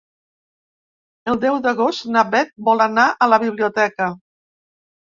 El deu d'agost na Bet vol anar a la biblioteca.